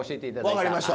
分かりました。